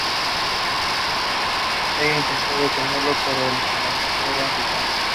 Ella intenta detenerlo pero el enfrentamiento era inevitable.